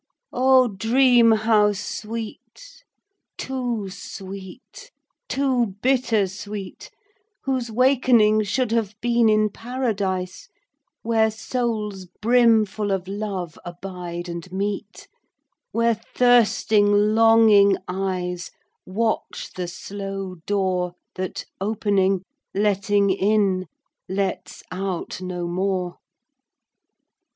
O dream how sweet, too sweet, too bitter sweet, Whose wakening should have been in Paradise, Where souls brimful of love abide and meet; Where thirsting longing eyes Watch the slow door That opening, letting in, lets out no more.